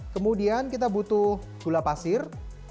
kemudian kita butuh gula pasir